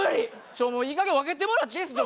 ちょもういいかげん分けてもらっていいですか？